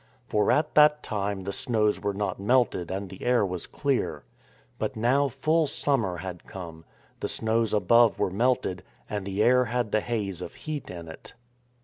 For at that time the snows were not melted and the air was clear. But now full summer had come; the snows above were melted and the air had the haze of heat in it.